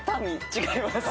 違います。